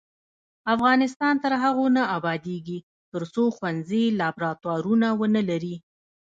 افغانستان تر هغو نه ابادیږي، ترڅو ښوونځي لابراتوارونه ونه لري.